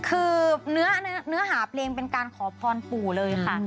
คือเนื้อหาเพลงเป็นการขอพรปู่เลยค่ะ